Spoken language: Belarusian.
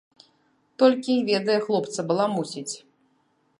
Толькі й ведае хлопца баламуціць.